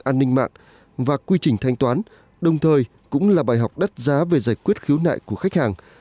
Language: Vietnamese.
an ninh mạng và quy trình thanh toán đồng thời cũng là bài học đắt giá về giải quyết khiếu nại của khách hàng